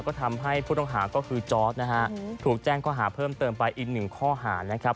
ก็ทำให้ผู้ต้องหาก็คือชอสถูกแจ้งก็หาเพิ่มเติมไปอีก๑ข้อหานะครับ